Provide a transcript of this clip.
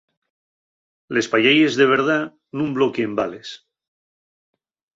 Les payelles de verdá nun bloquien bales.